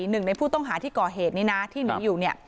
หนึ่งในผู้ต้องหาที่ก่อเหตุนี้นะที่หนีอยู่เนี่ย